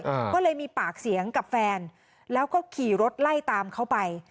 อ่าก็เลยมีปากเสียงกับแฟนแล้วก็ขี่รถไล่ตามเขาไป